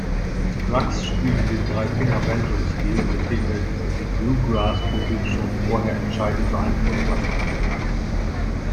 Scruggs spielte den Drei-Finger-Banjo-Stil, mit dem er die Bluegrass-Musik schon vorher entscheidend beeinflusst hatte.